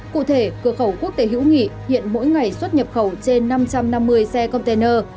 cụ thể cửa khẩu quốc tế hữu nghị hiện mỗi ngày xuất nhập khẩu trên năm trăm năm mươi xe container